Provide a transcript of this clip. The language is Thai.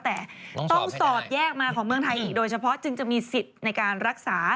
แต่ต้องสอบแยกมาของเมืองไทยอีกโดยเฉพาะจึงจะมีสิทธิ์ในการรักษา